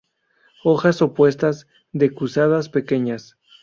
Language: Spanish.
Hojas opuestas, decusadas, pequeñas.